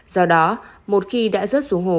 do đó một khi đã rớt xuống hồ